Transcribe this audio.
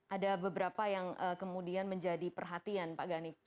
ada beberapa yang kemudian menjadi perhatian pak ganip